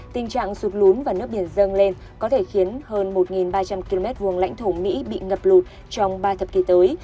tình trạng sụt lún và nước biển dâng lên có thể khiến hơn một ba trăm linh km vùng lãnh thổ mỹ bị ngập lụt trong ba thập kỷ tới